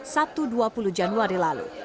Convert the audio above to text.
sabtu dua puluh januari lalu